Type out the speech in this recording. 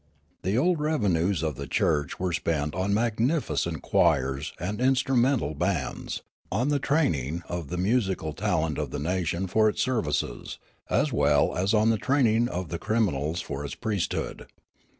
The old revenues of the church were spent on magnificent choirs and in strumental l)ands, on the training of the musical talent of the nation for its services, as well as on the training of the criminals for its priesthood.